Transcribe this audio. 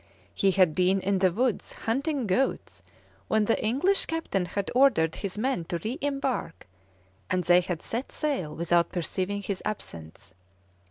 He had been in the woods hunting goats when the English captain had ordered his men to re embark, and they had set sail without perceiving his absence.